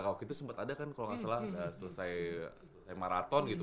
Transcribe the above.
kalo gitu sempet ada kan kalo gak salah selesai maraton gitu